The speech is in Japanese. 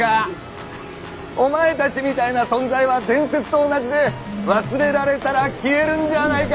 お前たちみたいな存在は伝説と同じで忘れられたら消えるんじゃあないか